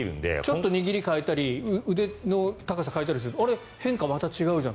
ちょっと握りを変えたり腕の高さを変えたりまた変化が違うんじゃん？